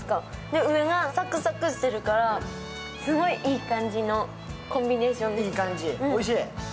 上がサクサクしてるからすごいいい感じのコンビネーションです。